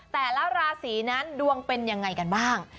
แต่ละราศีนั้นดวงเป็นยังไงกันบ้าง